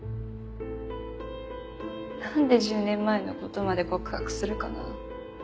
なんで１０年前の事まで告白するかなあ。